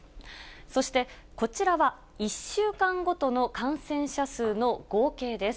そして、こちらは１週間ごとの感染者数の合計です。